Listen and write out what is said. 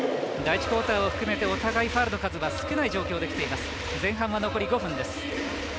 第１クオーターを含めてお互いファウルが少ない状況できています。